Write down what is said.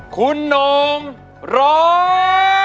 คุณโน่งร้อง